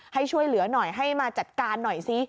ให้ช่วยเหลือหน่อยให้มาจัดการหน่อยซิ